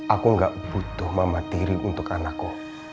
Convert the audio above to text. aku gak butuh mama tiri untuk anakku